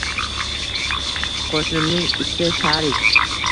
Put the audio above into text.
Qo`shnimning iti Sharik